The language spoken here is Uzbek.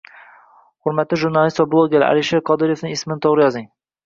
Hurmatli jurnalistlar va bloggerlar, Alisher Qodirovning ismini to'g'ri yozing